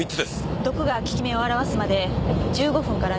毒が効き目を表すまで１５分から２０分。